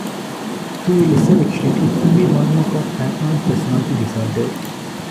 To a lesser extent, it can be a hallmark of paranoid personality disorder.